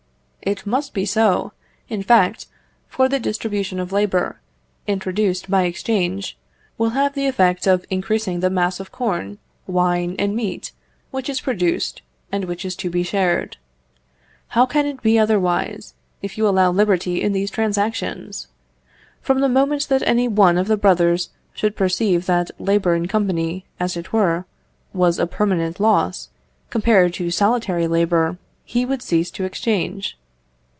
It must be so, in fact, for the distribution of labour, introduced by exchange, will have the effect of increasing the mass of corn, wine, and meat, which is produced, and which is to be shared. How can it be otherwise, if you allow liberty in these transactions? From the moment that any one of the brothers should perceive that labour in company, as it were, was a permanent loss, compared to solitary labour, he would cease to exchange.